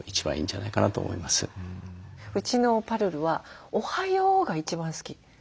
うちのぱるるは「おはよう」が一番好き。